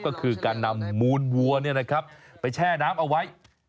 ก็คือการนำมูลวัวไปแช่น้ำเอาไว้